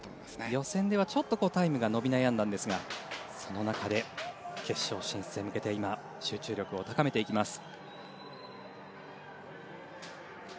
予選ではタイムが伸び悩んだんですがその中で決勝進出へ向けて集中力を高めていきます。